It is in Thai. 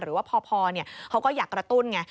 หรือว่าพอเขาก็อยากกระตุ้นไง